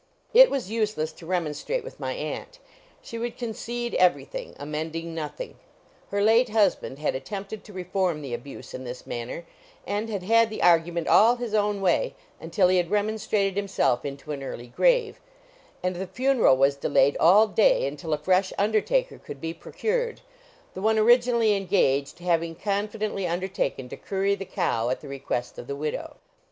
It was useless to remonstrate with my aunt: she would concede everything, amending nothing. Her late husband had attempted to reform the abuse in this manner, and had had the argument all his own way until he had remonstrated himself into an early grave; and the funeral was delayed all day, until a fresh undertaker could be procured, the one originally engaged having confidingly undertaken to curry the cow at the request of the widow.